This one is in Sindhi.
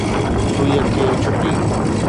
سُئيءَ کي ڇُٽي.